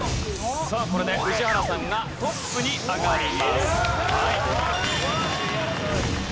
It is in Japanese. これで宇治原さんがトップに上がります。